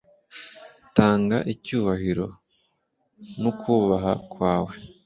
tanga icyubahiro n'ukubaha kwawe